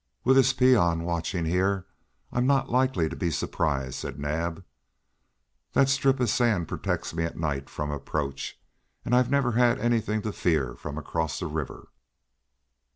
"With this peon watching here I'm not likely to be surprised," said Naab. "That strip of sand protects me at night from approach, and I've never had anything to fear from across the river."